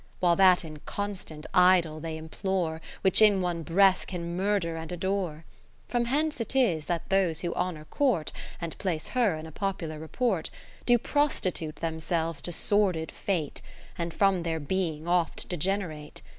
While that inconstant Idol they implore, Which in one breath can murther and adore. From hence it is that those who Honour court, (And place her in a popular report) l)o prostitute themselves to sordid Fate, And from their being oft degenerate.